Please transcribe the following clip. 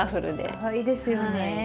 かわいいですよね。